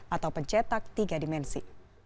atau pencetak tiga dimensi